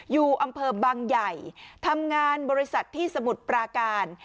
อยู่อำเภอบังใหญ่ทำงานบริษัทที่สมุทรปราการ